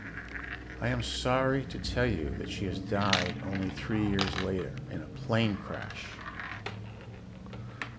I am sorry to tell you that she died only three years later, in a plane crash.